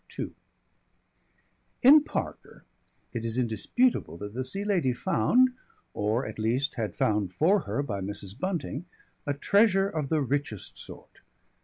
II In Parker it is indisputable that the Sea Lady found or at least had found for her by Mrs. Bunting a treasure of the richest sort.